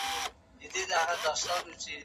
ټولنپوهنه د ټولنیزو پدیدو د قوانینو علم دی.